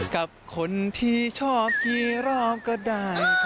กับคนที่ชอบกี่รอบก็ได้